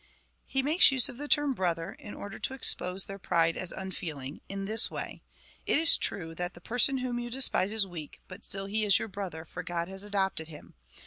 He makes use of the term brother, in order to ex pose their pride as unfeeling , in this way :" It is true that the person whom you despise is weak, but still he is your brother, for God has adopted him.